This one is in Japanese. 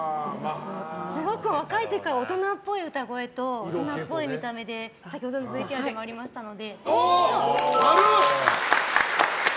すごく若い時から大人っぽい歌声と大人っぽい見た目で先ほどのＶＴＲもありましたので。